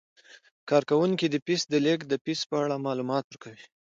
کارکوونکي د پیسو د لیږد د فیس په اړه معلومات ورکوي.